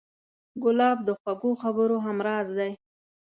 ګلاب د خوږو خبرو همراز دی.